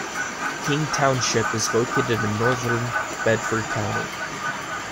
King Township is located in northern Bedford County.